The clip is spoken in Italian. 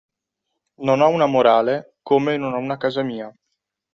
Non ho una morale, come non ho una casa mia.